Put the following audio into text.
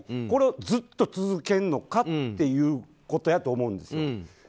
これをずっと続けるのかということやと思うんですよ。